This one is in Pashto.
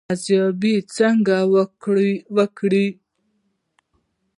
ارزیابي څنګه وکړو؟